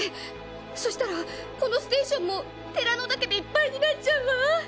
そしたらこのステーションもテラノダケでいっぱいになっちゃうわ。